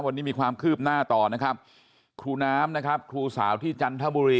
วันนี้มีความคืบหน้าต่อนะครับครูน้ำนะครับครูสาวที่จันทบุรี